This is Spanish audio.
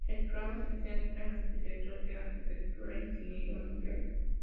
El programa se centra en los proyectos de arquitectura e ingeniería mundiales.